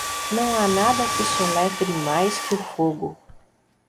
Não há nada que soletre mais que o fogo.